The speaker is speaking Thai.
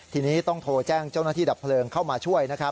ทีนี้ต้องโทรแจ้งเจ้าหน้าที่ดับเพลิงเข้ามาช่วยนะครับ